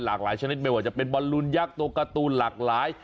หลากหลายชนิดไม่ว่าจะเป็นบอลลูนยักษ์ตัวการ์ตูนหลากหลาย